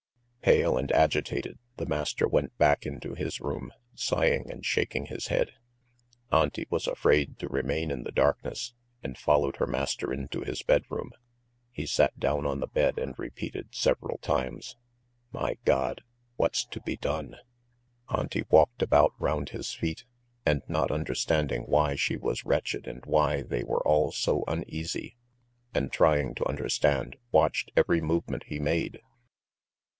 Pale and agitated, the master went back into his room, sighing and shaking his head. Auntie was afraid to remain in the darkness, and followed her master into his bedroom. He sat down on the bed and repeated several times: "My God, what's to be done?" Auntie walked about round his feet, and not understanding why she was wretched and why they were all so uneasy, and trying to understand, watched every movement he made.